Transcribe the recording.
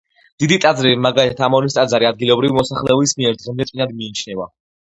დიდი ტაძრები, მაგალითად ამონის ტაძარი ადგილობრივი მოსახლეობის მიერ დღემდე წმინდად მიიჩნევა.